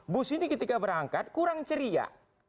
bus ini ketika berangkat kurang ceria